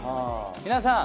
皆さん